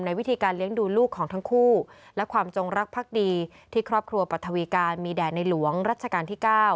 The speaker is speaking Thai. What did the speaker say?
วิธีการเลี้ยงดูลูกของทั้งคู่และความจงรักพักดีที่ครอบครัวปรัฐวีการมีแด่ในหลวงรัชกาลที่๙